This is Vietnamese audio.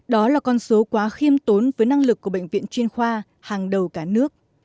đó là con số quá khiêm tốn với năng lực của bệnh viện chuyên khoa hàng đầu cả nước